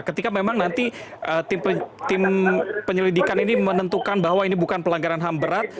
ketika memang nanti tim penyelidikan ini menentukan bahwa ini bukan pelanggaran ham berat